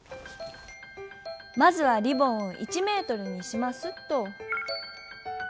まずはリボンを１メートルにしますっと。